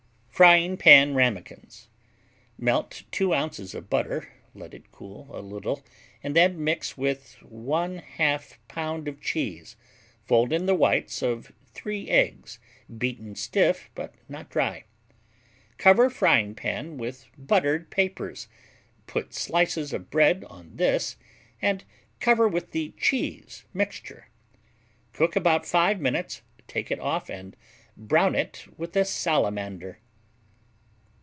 Frying Pan Ramekins Melt 2 ounces of butter, let it cool a little and then mix with 1/2 pound of cheese. Fold in the whites of 3 eggs, beaten stiff but not dry. Cover frying pan with buttered papers, put slices of bread on this and cover with the cheese mixture. Cook about 5 minutes, take it off and brown it with a salamander.